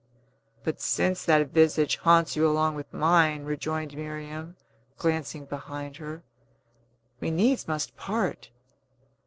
"But since that visage haunts you along with mine," rejoined Miriam, glancing behind her, "we needs must part.